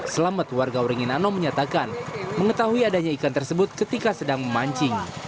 selamat warga uringin anom menyatakan mengetahui adanya ikan tersebut ketika sedang memancing